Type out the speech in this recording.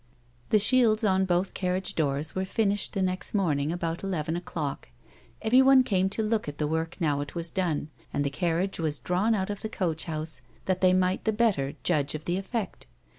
The shields on both carriage doors were finished the next morning about eleven o'clock. Everyone came to look at the work now it was done, and the carriage was drawn out of the coach house that they might the better judge of the effect.